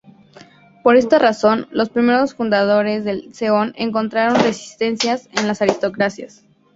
Por esta razón, los primeros fundadores del "Seon" encontraron resistencias en las aristocracias.